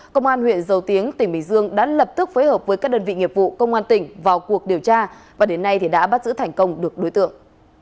công an huyện dầu tiếng tỉnh bình dương đã lập tức phối hợp với các đơn vị nghiệp vụ công an tỉnh vào cuộc điều tra và đến nay đã bắt giữ thành công được đối tượng